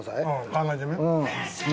考えてみ。